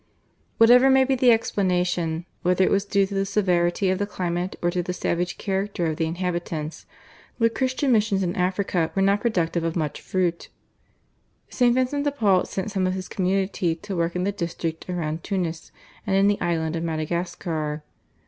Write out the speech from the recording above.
Whatever may be the explanation, whether it was due to the severity of the climate or to the savage character of the inhabitants, the Christian missions in Africa were not productive of much fruit. St. Vincent de Paul sent some of his community to work in the district around Tunis and in the island of Madagascar.